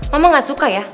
mama gak suka ya